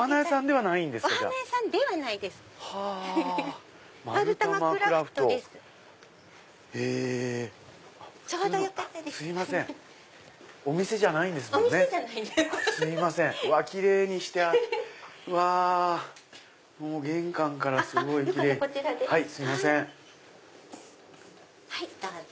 はいどうぞ。